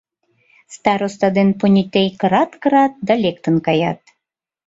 Староста ден понетей кырат-кырат да лектын каят.